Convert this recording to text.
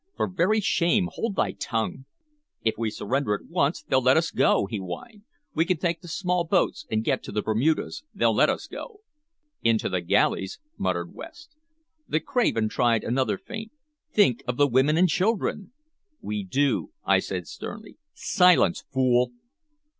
"For very shame, hold thy tongue!" "If we surrender at once, they'll let us go!" he whined. "We can take the small boats and get to the Bermudas, they'll let us go." "Into the galleys," muttered West. The craven tried another feint. "Think of the women and children!" "We do," I said sternly. "Silence, fool!"